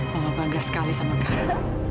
mama bangga sekali sama kakak